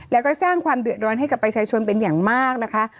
แล้วก็สร้างความเดือดร้อนให้กับประชาชนเป็นอย่างมากนะคะ